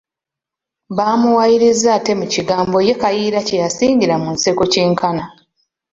Baamuwaayiriza ate mu kigambo ye Kayiira kye yasingira mu nseko kyenkana.